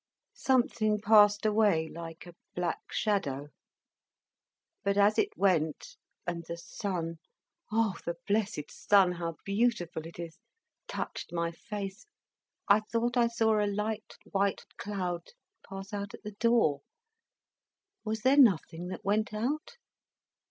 Something passed away, like a black shadow. But as it went, and the sun O the blessed sun, how beautiful it is! touched my face, I thought I saw a light white cloud pass out at the door. Was there nothing that went out?"